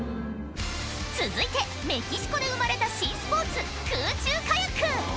続いてメキシコで生まれた新スポーツ空中カヤック！